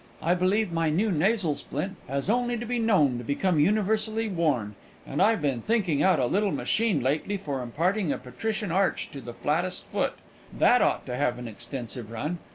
I believe my new nasal splint has only to be known to become universally worn; and I've been thinking out a little machine lately for imparting a patrician arch to the flattest foot, that ought to have an extensive run.